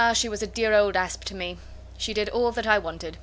she was a dear old Asp to me. She did all that I wanted.